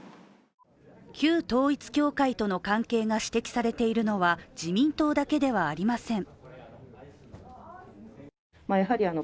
旧統一教会との関係が指摘されているのは自民党だけではありません。